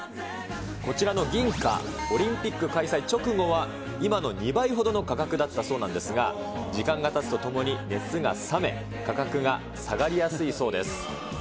こちらの銀貨、オリンピック開催直後は今の２倍ほどの価格だったそうなんですが、時間がたつとともに、熱が冷め、価格が下がりやすいそうです。